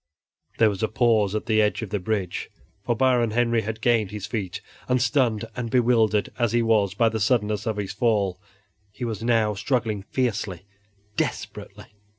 There was a pause at the edge of the bridge, for Baron Henry had gained his feet and, stunned and bewildered as he was by the suddenness of his fall, he was now struggling fiercely, desperately.